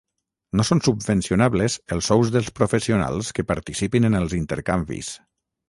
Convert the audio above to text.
No són subvencionables els sous dels professionals que participen en els intercanvis.